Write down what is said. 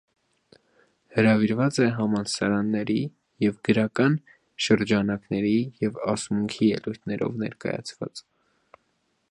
Հրաւիրուած է համալսարաններէ եւ գրական շրջանակներէ եւ ասմունքի ելոյթներով ներկայացած։